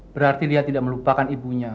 berarti dia tidak melupakan ibunya